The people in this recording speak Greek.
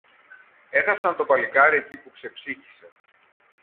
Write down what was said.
Έθαψαν το παλικάρι εκεί που ξεψύχησε.